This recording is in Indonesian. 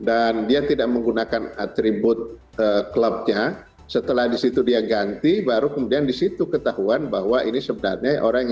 dan dia tidak menggunakan atribut klubnya setelah di situ dia ganti baru kemudian di situ ketahuan bahwa ini sebenarnya orang yang berpengaruh